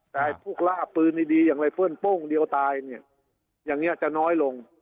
แต่พวกล่าปืนดีอย่างไรเพื่อนโป้งเดียวตายเนี่ยอย่างนี้จะน้อยลง